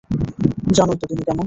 জানোই তো তিনি কেমন।